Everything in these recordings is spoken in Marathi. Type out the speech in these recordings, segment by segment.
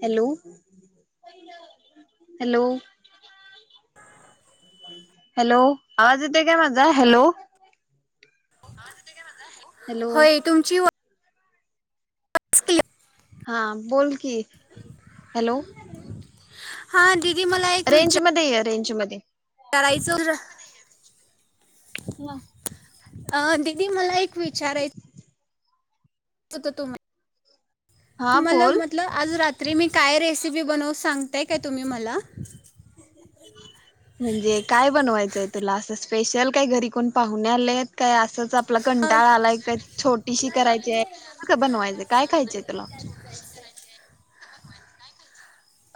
हॅलो? हॅलो? [inaudible] हॅलो? आवाज येतोय काय माझा? हॅलो? आवाज येतोय? हॅलो होय तुमची [inaudible] [unintelligible] हा बोल कि. हॅलो? हा दिदी मला एक रेंज विचा मध्ये ये रेंज मधे करायचं [inaudible] वाव अ दीदी मला एक विचाराय [unintelligible] तुम्हा हा मला बोल म्हतलं आज रात तर मी काय रेसिपी बनवू सांगताय काय तुम्ही मला? म्हणजे काय बनवायचंय तुला आसं स्पेशल काही घरी कोण पाहुणे आलेत काय असाच आप तूला अं, कंटाळा आलाय काय छोटीशी करायची हाय क बनवायची काय खायची आहे तुला?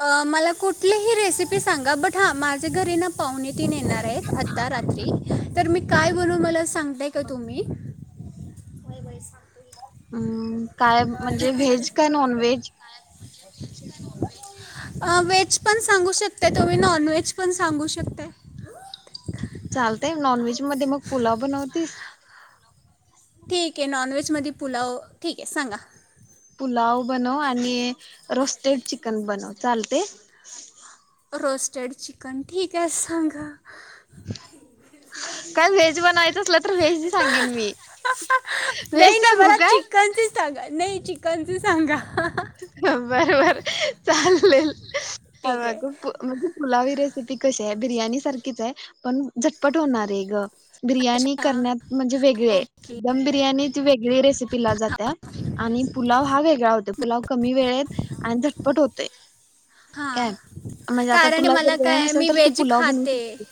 अ मला कुठलीही रेसिपी सांगा बट हा माझे घरी ना पाहुणेतिन येणार आहेत आता रात्री तर मी काय बनवू मला सांगा. लाय का तुम्ही? हम्म काय म्हणजे व्हेज काय नॉनव्हेज? व्हेज पण सांगू शकताय तुम्ही नॉन नॉनव्हेज पण सांगू शकताय. चालतय नॉनव्हेज मध्ये मग पुलाव बनवतीस. ठीक आहे नॉनव्हेजमध्ये पुलाव ठीक आहे सांगा. पुलाव बनव आणि रोस्टेड चिकन बनव चालतय. रोस्टेड चिकन ठीक आहे सांगा. काय व्हेज बनवायचं असल तर व्हेज सांगेन मी व्हेज नाही नाही सांगू मला काय? चिकनचे सांगा नाही चिकनच सांगा. हा बर बर चालेल ठीक आहे म्हणजे पुलावी रेसिपी कशी? त्या बिर्याणी सारखीच आहे पण झटपट होणारी आहे ग बिर्याणी अच्छा करण्यात म्हणजे वेगळे ओके दम बिर्याणी त वेगळी रेसिपीला जात्या आणि पुलाव हा वेगळा होतो. पुलाव कमी वेळेत आणि झटपट होतय, हां काय म्हणजे आता कारण तुला जर मला वेळ काय नसेल मी तर तू व्हेज पुलाव बनवू खाते शकते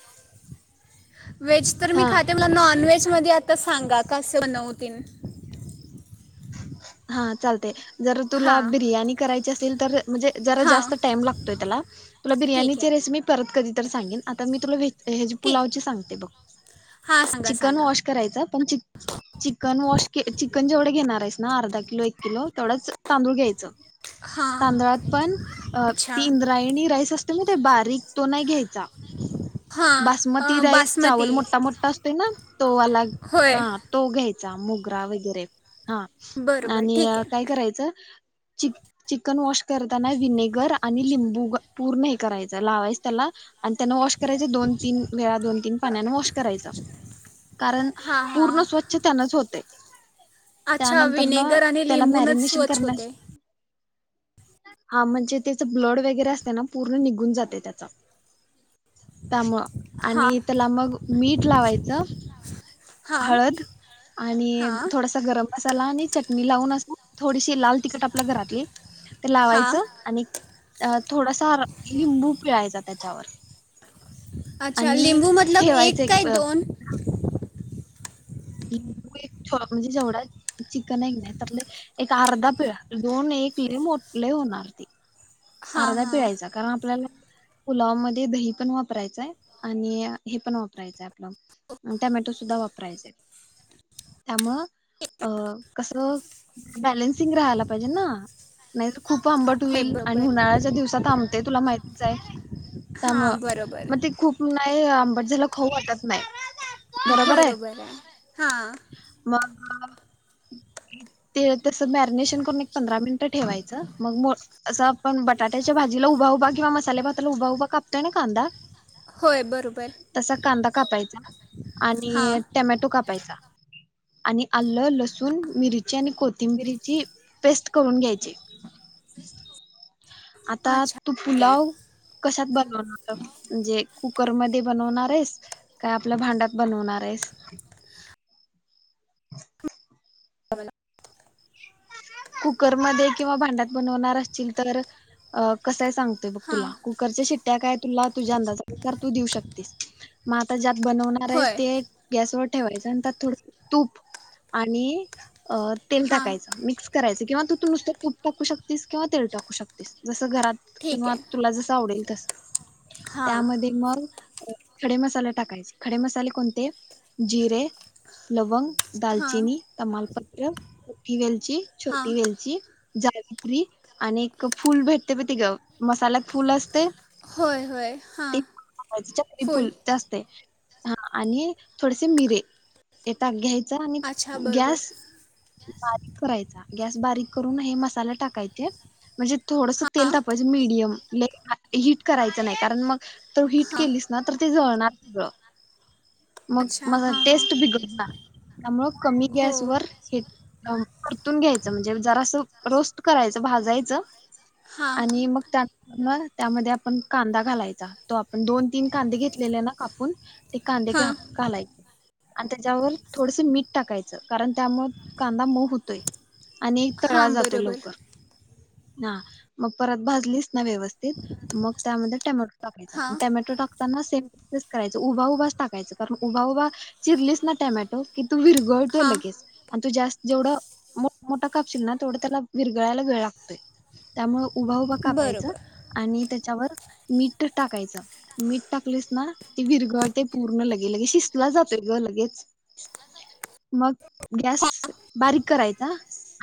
व्हेज तर मी हा खाते मला नॉनव्हेजमध्ये आता सांगा कसं बनवतील. हा चालतय. जर तुला हां बिर्याणी करायची अस असतील तर, म्हणजे जरा हां जास्त टाईम लागतोय त्याला तुला ठीक आहे बिर्याणीची रेसिपी मी परत कधी तरी सांगेन आता मी तुला वेज हेजी ठीक आहे पुलावची सांगते बघ हां सांगा चिकन सांगा वॉश करायचा पण ची चिकन वॉश के चिकन चिकन जेवढं घेणार हायेसा. ना अर्धा किलो एक किलो तेवढंच तांदूळ घ्यायचं हां तांदळात पण अच्छा ती इंद्रायणी राईस असतोय माहित हाय मग ते बारीक तो नाही घ्यायचा हां बासमती अं, राईस चावल बासमती मोठा मोठा असते ना तोवाला होय हा तो घ्यायचा. चा मोगरा वगैरे बरोबर आणि ठीक आहे काय करायचं अ चिक चिकन वॉश करताना विनेगर आणि लिंबू पूर्ण हे करायच लावायच त्याला आणि त्यान वॉश करायच दोन तीन, वेळा दोन तीन, पाण्याने वॉश करायच कारण हां पूर्ण हां स्वच्छ त्यानच होतय. अच्छा विनेगर आणि त्याला लिंबूनच मॅरिनेशन स्वच्छ करण्या होतय. हा म्हणजे त्याच ब्लड वगैरे असते ना पूर्ण निघून जाते त्याच त्यामुळ. हां आणि त्याला मग मीठ लावायचं हां हळद आणि हां थोडसा गरम मसाला आणि चटणी लावून असं थोडीशी लाल तिखट आपल्या घरातली ते हां लावायचं आणि अ थोडासा लिंबू पिळायचा त्याच्यावर. अच्छा आणि लिंबू मतलब ठेवायचं एक काय अ, दोन लिंबू एक म्हणजे जेवढा चिकन नाहीन त्यातले एक अर्धा पिळा दोन एक लई मोठ लयी होणार ते. हां अर्धा हां पिळायचा कारण आपल्याला पुलावामध्ये दही पण वापरायचंय, आणि हे पण वापरायचंय, आहे आपलं टोमॅटो सुद्धा वापरायचय. त्यामुळं अ कस बॅलन्सिंग राहायला पाहिजे ना नाही खूप आंबट होय होईल आणि बरोबर उन्हाळ्याच्या दिवसात आंबते तुला माहितीच आहे. त्यामुळ हां बरोबर मग ते खूप नाही आबं पट झालं खाऊ वाटत नाही. बरोबर आहे! हां! मग ते! तसं मॅरनेशन करून एक पंधरा मिनट ठेवायच मग मू असं आपण बटाट्याच्या भाजीला उभा उभा, किंवा मसाले भाताला उभा उभा, कापतोय ना कांदा. होय बरोबर तसा कांदा कापायचा. हां आणि टमॅटो कापायचा. आणि आलं लसूण मिरची आणि कोथिंबिरची पेस्ट करून घ्यायची. आता अच्छा तू ठीक पुलाव आहे कशात ब म्हणजे कुकरमध्ये बनवणार आहेस, का आपल्या भांड्यात बनवणार आहेस. कुकरमध्ये किंवा भांड्यात बनवणार असचील तर अ कसंय सांगतोय ब हां तुला, कुकरच्या शिट्ट्या काय तुला तुझ्या अंदाजानुसार तू देऊ शकतेस मग आता ज्यात. बनवणार आहेस होय ते. गॅस वर ठेवायच आणि त्यात थोडं तूप आणि तेल अ टाक हां मिक्स कराचं किंवा तू तूप टाकू शकतीस किंवा तेल टाकू शकतीस जसं घरात. ठीक किंवा आहे तुला जसं तावडेल तसं. हां त्यामध्ये मग खडे मसाले टाकायचे खडे मसाले कोणते जिरे लवंग हां दालचिनी तमालपत्र मोठी वेलची, हां छोटी वेलची, जायपत्री आणि फूल भेटतय बघं ते गं मसाल्यात फूल असतय होय होय हां चक्री फुल ते असते हा आणि थोडेसे मिरे येता घ्याय च घ्यायचं आणि अच्छा बरोबर गॅस बारीक करायचा गॅस बारीक करून हे मसाल्यात टाकायचे म्हणजे थोडंसं हां तेल तापवायचं मिडियम लई [inaudible] हिट करायचं नाही कारण मग तू हिट हां केलीस ना तर ते जळणार बह मग अच्छा मह हां हां टेस्ट बिघडणार त्यामुळं कमी हो गॅस वर हे परतून घ्यायचं म्हणजे जरा असं रोस्ट करायचं भाजायचं हां आणि मग त्या त्यामध्ये आपण कांदा घालायचा तो आपण दोन तीन कांदे घेतलेले ना कापून ते कांदे हां घ्या घालायचे. आणि त्याच्यावर थोडस मीठ टाकायचं कारण त्यामुळे कांदा मऊ होतोय आणि तळा हां जातो बरोबर लवकर ह मग परत भाजलीच ना व्यवस्थित मग त्यामध्ये टॅमॅ टाकायचा आणि हां टॅमॅटो टाक त्यांना सेम प्रोसेस करायचं, उभा -उभाच टाकायच कारण उभा उभा चिरलीस ना टोमॅटो की, तो विरगळतोय हां लगेच आणि तो जास्त जेवढं मोठ मोठं कापशील ना तेवढं त्याला विरगळायला वेळ लागतोय त्यामुळ उभा उभा कापायच बरोबर आणि त्या त्याच्यावर मीठ टाकायचं मीठ टाकलेस ना ते विरगळतय पूर्ण, लगे लगे शिजला जातोय ग लगेच मग गॅस बारीक करायचा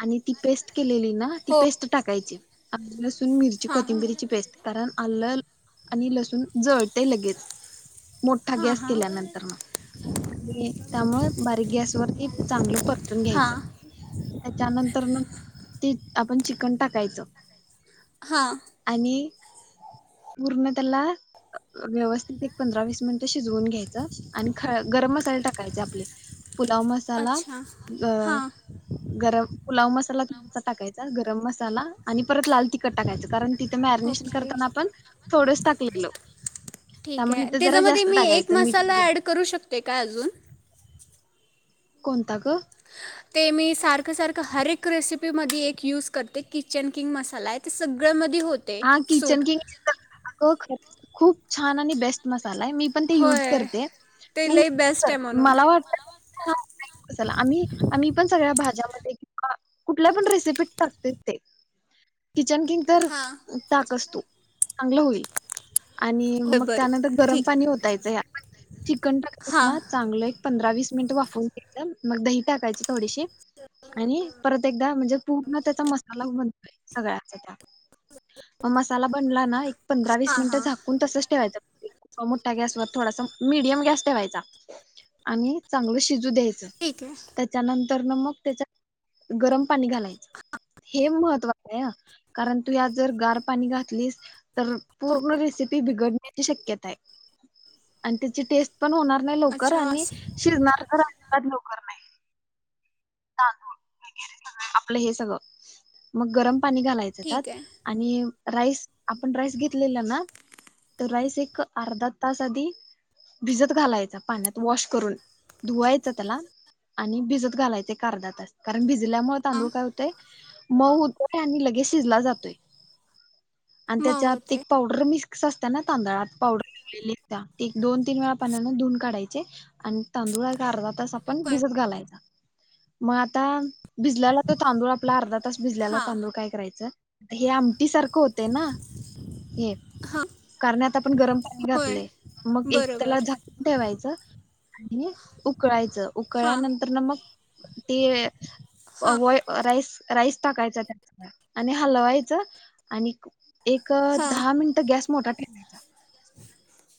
आणि ती पेस्ट केलेली ना ती हो पेस्ट टाकायची आलं लसूण मिरची हां हां कोथिंबिरीची पेस्ट कारण आलं आणि लसूण जळतय लगेच मोठा हां गॅस हां केल्यानंतरन आणि त्यामुळ बारीक गॅसवरती चांगलं परत वतुन हां घ्यायचं त्याच्यानंतर न ते आपण चिकन टाकायचं हां आणि पूर्ण त्याला व्यवस्थित एक पंधरा वीस मिनिट शिजवून घ्यायचं आणि ख गरम मसाले टाकायचे आपले पुलाव मसाला अच्छा ज हां गरम पुलाव मसाला तुप टाकायचा गरम मसाला आणि परत लाल तिखट टाकायच कारण ती ते मॅर्निश ओके करताना आपण थोडस टाक पिट लावून ठीक आहे त्याच्यामध्ये मी एक मीठ मसाला वगैरे ऍड करू शकते काय अजून? कोणता गं ते मी सारखं-सारखं हर एक रेसिपी मध्ये एक यूज करते किचन किंग मसाला आहे ते सगळ्या मधी आ किचन किंग मसाला अगं खरं खूप छान आणि बेस्ट मस्त साला आहे मी पण ते युज होय करते ते तू लई बेस्ट कर आहे म्हणून मला वाटतय [inaudible] मसाला आम्ही आम्ही पण सगळ्या भाज्यामध्ये किंवा कुठल्या पण रेसिपीत टाकतय ते कि चन किंग तर हां ताक असतो चांगलं होईल आणि होय मग त्यानंतर बरोबर गरम ठीक पाणी ओतायचं या चिकन टाकलयस हां ना चांगलय पंधरा वीस मिनिट वाफवून द्यायच मग दही टाकायची थोडीशी आणि परत एकदा म्हणजे पूर्ण त्याचा मसाला बनतोय सगळ्याचा त्या म मसाला बनला ना ए पंधरा वीस हां मिंट हां झाकून तसच ठेवायचं अ मोठ्ठा गॅसवर थोडासा मिडियम गॅस ठेवायचा आणि चांगल शिज तु देयाच्या ठीक आहे त्याच्यानंतर तर ना मग त्याच्यात गरम पाणी घालायचं हे महत्त्वाचं कारण आहे तू यात जर गार पाणी घातलीस तर पूर्ण रेसिपी बिगड त्याची शक्यता आहे आणि त्याची टेस्ट पण होणार नाय लवकर अच्छा आणि असं शिजनार तर आजिबात लवकर नाही टाकून आपलं हे सगळं मग गरम पाणी घालायचा त्याात ठीक आहे आणि राइस आपण राइस घेतलेला ना तर राइस एक आर्धा तास आधी भिजत घालायचा पाण्यात वॉश करून धुवायचा त्याला आणि भिजत घालायचा आर्धा तास कारण भिज जिल्यामुळ हां तांदूळ काय होतेय म होतोय आणि लगेच शिजला जातोय आणि मग त्याच्यात होते तीक पावडर मिस्क सस्त्या ना तांदळात पावडर लागलेली त्या एक, दोन, तीन वेळा पानाने धुून काढायचे आणि तांदुळ गारवा तस पण होय भिजत घालायचा म आता भिजलेला तो तांदूळ आपल्या आर्धात आताच भिजल्याला हां तांदूळ काय करायचं? धेयाम ती सारखं होते ना हे हां कारण आता आपण गरम पाणी होय घातलय मग एक त्याला बरोबर झाकून ठेवायचं आणि उकळायचं हां उकळल्यानंतर ना मग ते हां अवय अ राइस राईस टाकायचा त्याच्या आणि हलवायचं आणि एक अ हां दहा मिनिटं गॅस मोठा दीपीका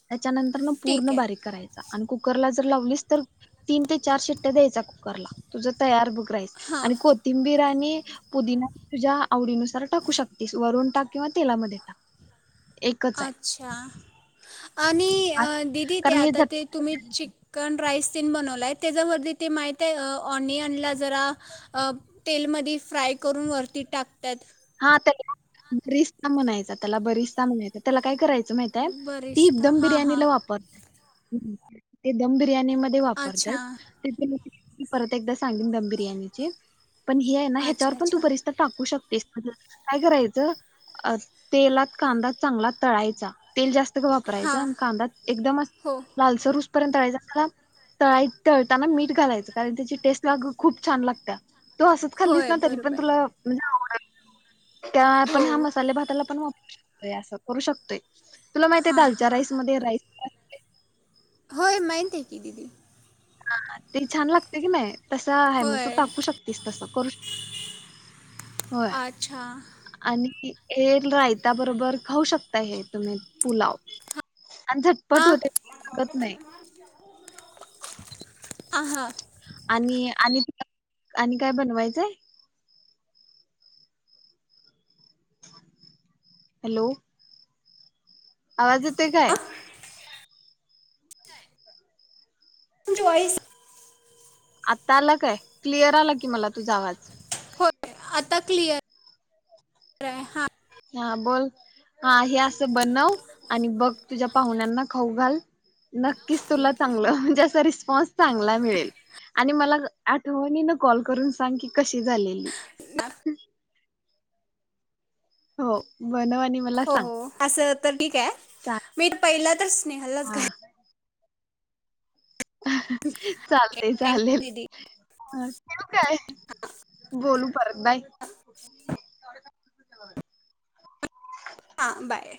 त्याच्यानंतर ना ठीक पूर्ण आहे बारीक करायचा आणि कुकरला च तर लावलीस तर तीन ते चार शिट्ट्या दयायच्या कुकरला तुझं तयार बघ राईस हां आणि कोथींबीर आणि पुदीना तुझ्या आवडीनुसार टाकू शकतेस वरून टाक किंवा तेलामध्ये टाक एकच आहे अच्छा आणि अ दिदी ते कारण हे आता ते तुम्ही झटपट चीक्कन राइस तीन बनवलाय त्याजावरती ते माहित ये अ ऑनियनला जरा तेलमध्ये फ्राय करून वरती टाक हा त्या ती बरीस्ता म्हणायचा, त्याला बरीस्ता म्हणायचा त्याला काय करायचं, माहित आहे बरिस्ता एकदम हां हां बिर्याणीला वापर ते दम बिर्याणी बिर्याणी मध्ये अच्छा वापरतात मी परत एकदा सांगीन दम बिर्याणीची पण हे आहे ना, ह्याच्यावर अच्छा पण तू अच्छा बरीस्ता टाकू शकतेस काय करायचं तेलात कांदा चांगला तळायचा तेल जास्त वापरायच आणि हां कांदा एकदम हो असा लालसर होऊ पर्यंत तळायच तळाय तळताना मीठ घालायचं, कारण त्याची टेस्ट ला ग खूप छान लागत्या. तू असंच खालीस होय ना तरी पण बरोबर तुला म्हणजे आवडेल त्या हो आपण ह्या मसाले भाताला पण वाप असं करू शकतोय तुला माहित आहे हां दालच्या हां राईस मध्ये राईस होय माहीत आहे की, दीदी ह ते छान लागतयं क नाही तसं आहे मग तू होय टाकू शकतेस तसं करू शकतीस होय अच्छा आणि हे रायता बरोबर खाऊ शकता हे तुम्ही पुलाव आणि झटपट हा होते [unintelligible] लागत नाही हा आणि आणि आणि काय बनवायचंय? हॅलो, आवाज येतोय काय? [unintelligible] तुमची वॉईस आता आला काय क्लियर आला की मला तुझा आवाज. होय आता क्लिअर आहे. हा, हां बोल हा हे असं बनव आणि बघ तुझ्या पाहुण्यांना खाऊ घाल. नक्कीच तुला ठीक आहे चांगलं म्हणजे असं [unintelligible] फस्ट चांगला मिळेल आणि मला आठवणीन कॉल करून सांग की कशी झालेली. [unintelligible] हो. बनव आणि मला हो सांग हो असं तर ठीक आहे, चा मी पहिल [inaudible] हा चालते. चालेल थँक्यू दीदी ठेऊ काय? बोलू परत बाय. [unintelligible] [unintelligible] हा, बाय.